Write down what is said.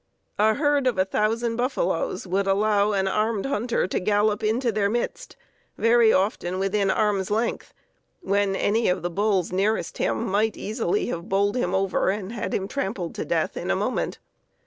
A herd of a thousand buffaloes would allow an armed hunter to gallop into their midst, very often within arm's length, when any of the bulls nearest him might easily have bowled him over and had him trampled to death in a moment.